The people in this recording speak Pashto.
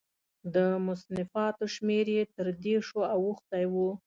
د مصنفاتو شمېر یې تر دېرشو اوښتی و.